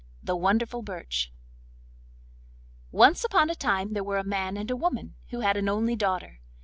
THE WONDERFUL BIRCH Once upon a time there were a man and a woman, who had an only daughter.